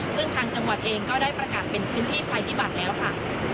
ซึ่งทางจังหวัดเองก็ได้ประกาศเป็นพื้นที่ภัยพิบัติแล้วค่ะ